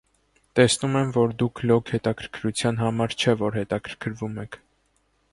Տեսնում եմ, որ դուք լոկ հետաքրքրության համար չէ, որ հետաքրքրվում եք: